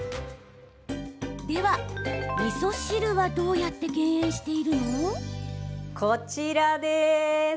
では、みそ汁はどうやって減塩しているの？